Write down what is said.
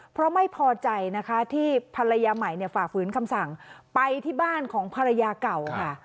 เพราะไม่พอใจนะคะที่ภรรยาใหม่ฝ่าฝืนคำสั่งไปที่บ้านของภรรยาเก่าค่ะ